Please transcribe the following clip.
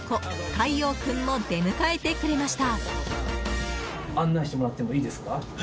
太陽君も出迎えてくれました。